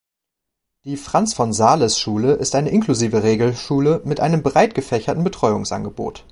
Die Franz-von-Sales-Schule ist eine inklusive Regelschule mit einem breit gefächerten Betreuungsangebot.